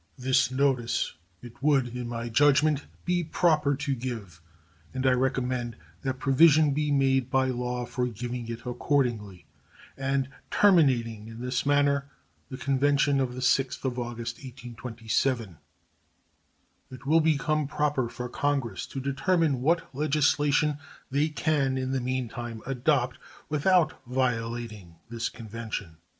This notice it would, in my judgment, be proper to give, and I recommend that provision be made by law for giving it accordingly, and terminating in this manner the convention of the 6th of August, 1827. It will become proper for Congress to determine what legislation they can in the meantime adopt without violating this convention.